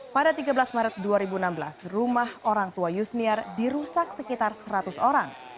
pada tiga belas maret dua ribu enam belas rumah orang tua yusniar dirusak sekitar seratus orang